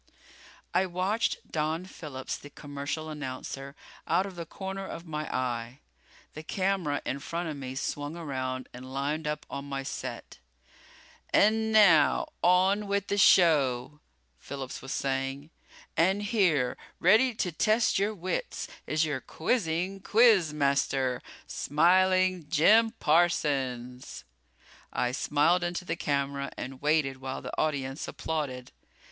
I watched Don Phillips, the commercial announcer, out of the corner of my eye. The camera in front of me swung around and lined up on my set. "... And now, on with the show," Phillips was saying. "And here, ready to test your wits, is your quizzing quiz master, Smiling Jim Parsons." I smiled into the camera and waited while the audience applauded.